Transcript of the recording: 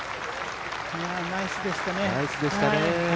ナイスでしたね。